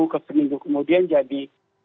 ke seminggu kemudian jadi